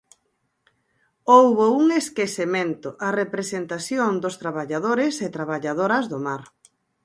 Houbo un esquecemento: a representación dos traballadores e traballadoras do mar.